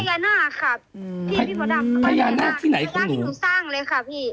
พญานาคค่ะอืมพี่พี่มดดำพญานาคที่ไหนพญานาคที่หนูสร้างเลยค่ะพี่